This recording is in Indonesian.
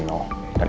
dan itu benar